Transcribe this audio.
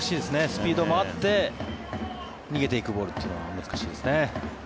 スピードもあって逃げていくボールっていうのは難しいですね。